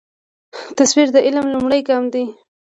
تصور د عمل لومړی ګام دی.